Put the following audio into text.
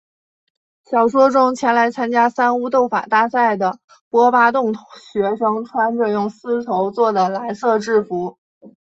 小说中前来参加三巫斗法大赛的波巴洞学生穿着用丝绸作的蓝色制服。